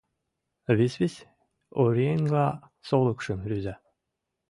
Висвис оръеҥла солыкшым рӱза.